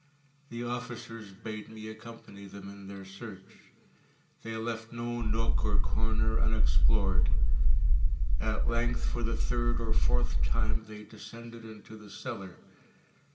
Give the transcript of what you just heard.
The officers bade me accompany them in their search. They left no nook or corner unexplored. At length, for the third or fourth time, they descended into the cellar.